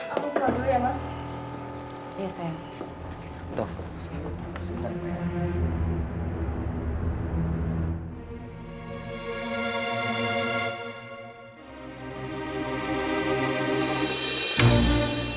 aku pulang dulu ya ma